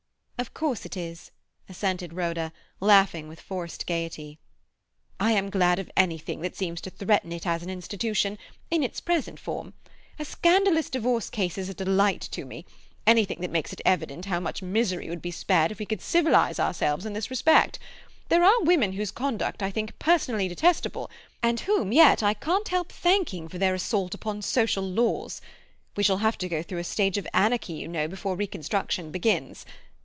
"Of course it is," assented Rhoda, laughing with forced gaiety. "I am glad of anything that seems to threaten it as an institution—in its present form. A scandalous divorce case is a delight to me—anything that makes it evident how much misery would be spared if we could civilize ourselves in this respect. There are women whose conduct I think personally detestable, and whom yet I can't help thanking for their assault upon social laws. We shall have to go through a stage of anarchy, you know, before reconstruction begins.